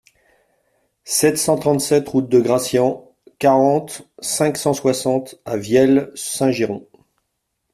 sept cent trente-sept route de Gracian, quarante, cinq cent soixante à Vielle-Saint-Girons